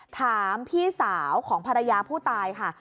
ถามพี่สาวของภรรยาผู้ตายค่ะ